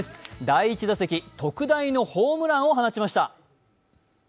第１打席特大のホームランを放ちました。